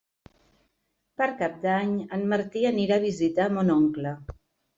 Per Cap d'Any en Martí anirà a visitar mon oncle.